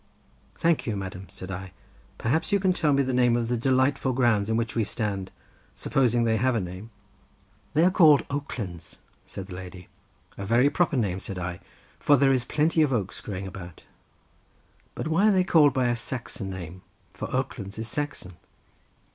"Thank you, madam," said I; "perhaps you can tell me the name of the delightful grounds in which we stand, supposing they have a name." "They are called Oaklands," said the lady. "A very proper name," said I, "for there are plenty of oaks growing about. But why are they called by a Saxon name, for Oaklands is Saxon."